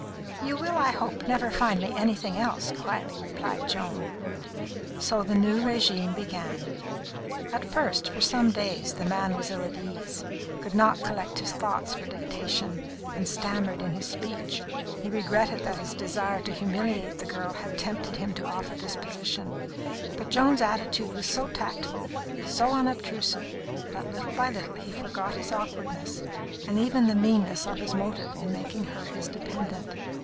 "You will, I hope, never find me anything else," quietly replied Joan. So the new régime began. At first, for some days, the man was ill at ease, could not collect his thoughts for dictation, and stammered in his speech. He regretted that his desire to humiliate the girl had tempted him to offer this position; but Joan's attitude was so tactful, so unobtrusive, that little by little he forgot his awkwardness and even the meanness of his motive in making her his dependent.